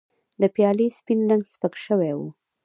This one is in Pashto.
د پیالې سپین رنګ سپک شوی و.